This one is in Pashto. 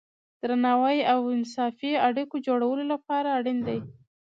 درناوی د انصافی اړیکو جوړولو لپاره اړین دی.